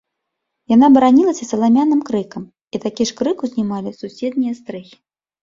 Яна баранілася саламяным крыкам, і такі ж крык узнімалі суседнія стрэхі.